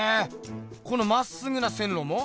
このまっすぐな線路も？